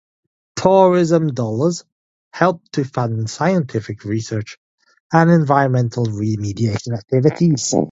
Tourism dollars help to fund scientific research and environmental remediation activities.